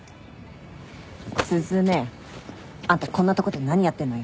雀あんたこんなとこで何やってんのよ？